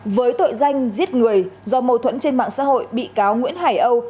với tội danh giết người do mâu thuẫn trên mạng xã hội bị cáo nguyễn hải âu